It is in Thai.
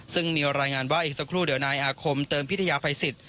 ซึ่งมีรายงานว่าอีกสักครู่เดี๋ยวนายอาคมเติมพิทยาภัยสิทธิ